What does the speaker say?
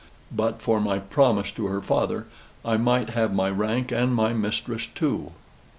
But for my promise to her father, I might have my rank and my mistress too."